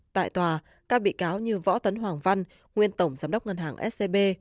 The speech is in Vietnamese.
tại tòa các bị cáo như võ tấn hoàng văn nguyên tổng giám đốc ngân hàng scb